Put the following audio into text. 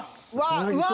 うわ！